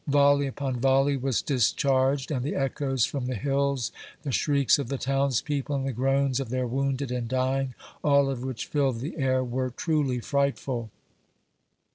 Vol ley upon volley was discharged, and the echoes from the hills, the shrieks of the townspeople, and the groans of their wounded" and dying, all of which filled the air,, were truly frightful.